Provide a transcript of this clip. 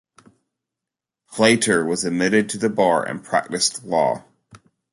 Plater was admitted to the bar and practiced law.